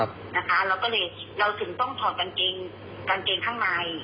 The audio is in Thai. เราก็เลยเราถึงต้องถอดกางเกงกางเกงข้างใน